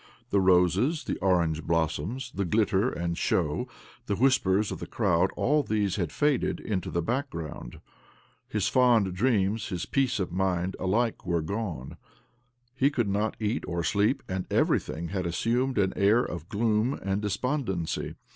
The roses, the orange blossoms, the glitter and show, the whispers of the crowd — all these had faded into the background'. His fond dreams, his peace of mind alike were gone. He could not eat or sleep, and everything had assumed an air of gloom and despondency.